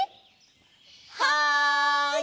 はい！